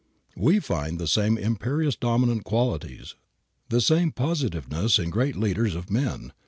We find the same imperious dominant qualities, the same positiveness in great leaders of men.